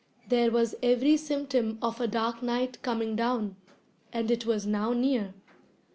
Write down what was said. There was every symptom of a dark night coming down, and it was now near.